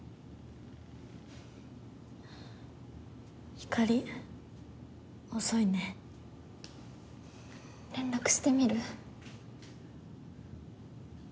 ひかり遅いね。連絡してみる？